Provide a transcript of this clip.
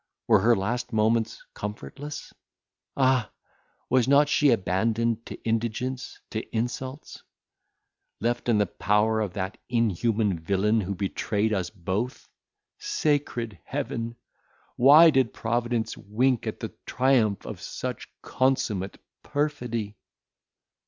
were her last moments comfortless? ha! was not she abandoned to indigence, to insults; left in the power of that inhuman villain who betrayed us both? Sacred Heaven! why did Providence wink at the triumph of such consummate perfidy?"